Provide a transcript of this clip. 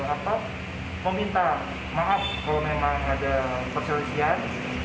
apa meminta maaf kalau memang ada perselisihan